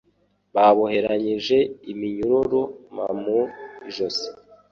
baboheranyije iminyururu mmu ijosi